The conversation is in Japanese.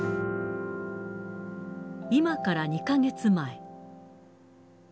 今から２か月前。